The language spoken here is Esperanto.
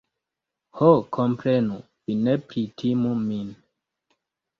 Ho, komprenu, vi ne pritimu min.